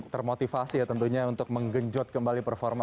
termotivasi ya tentunya untuk menggenjot kembali performa